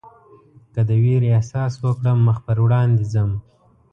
که د وېرې احساس وکړم مخ پر وړاندې ځم.